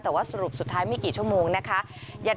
แต่ว่าสรุปสุดท้ายไม่กี่ชั่วโมงนะคะ